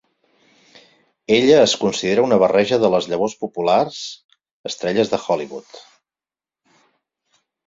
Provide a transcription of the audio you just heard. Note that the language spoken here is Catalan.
Ella es considera una barreja de les llavors populars estrelles de Hollywood.